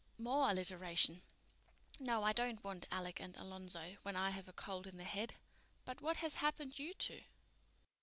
"More alliteration. No, I don't want Alec and Alonzo when I have a cold in the head. But what has happened you two?